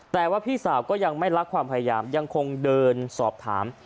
แต่ว่าพี่สาวก็ยังไม่รักความพยายามยังคงเดินสอบถาม